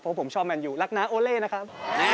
เพราะผมชอบแมนยูรักน้าโอเล่นเล่นะครับ